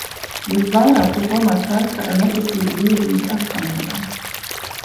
Visvairāk to tomēr saista ar neticību dievību esamībai.